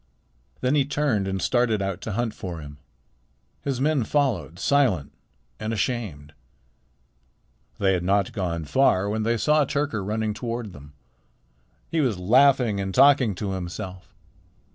Then he turned and started out to hunt for him. His men followed, silent and ashamed. They had not gone far when they saw Tyrker running toward them. He was laughing and talking to himself.